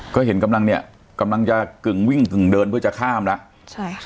ก็เห็นกำลังเนี่ยกำลังจะกึ่งวิ่งกึ่งเดินเพื่อจะข้ามแล้วใช่ค่ะ